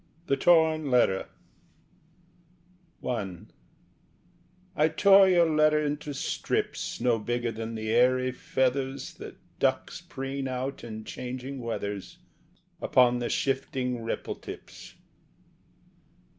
THE TORN LETTER I I tore your letter into strips No bigger than the airy feathers That ducks preen out in changing weathers Upon the shifting ripple tips.